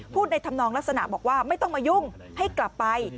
ในธรรมนองลักษณะบอกว่าไม่ต้องมายุ่งให้กลับไป